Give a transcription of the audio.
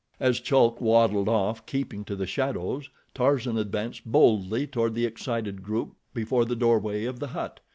As Chulk waddled off, keeping to the shadows, Tarzan advanced boldly toward the excited group before the doorway of the hut.